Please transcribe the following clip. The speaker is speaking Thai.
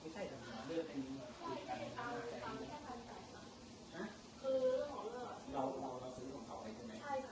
เจ๊ช่วยหนูหน่อยนะอืมก็เขาก็เหมือนเมล็ดที่ช่องเขาบอก